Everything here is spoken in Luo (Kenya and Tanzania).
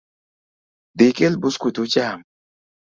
Dhi ikel buskut ucham